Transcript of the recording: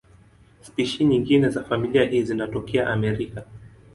Spishi nyingine za familia hii zinatokea Amerika.